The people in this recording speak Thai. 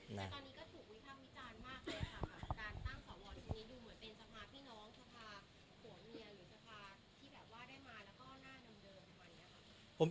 แต่ตอนนี้ก็ถูกวิทักษ์วิจารณ์มากเลยค่ะ